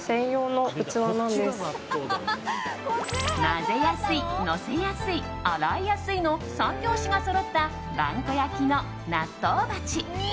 混ぜやすい、のせやすい洗いやすいの三拍子がそろった萬古焼のなっとうバチ。